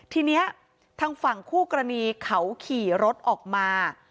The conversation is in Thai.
ทีนี้ทางฝั่งคู่กรณีเขาขี่รถออกมา